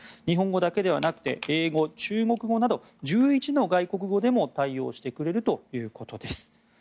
日本語だけではなくて英語、中国語など１１の外国語でも対応してくれるということです。